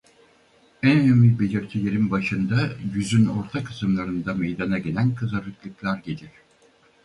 En önemli belirtilerinin başında yüzün orta kısımlarında meydana gelen kızarıklıklar gelir.